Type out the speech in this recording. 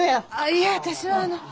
いえ私はあの。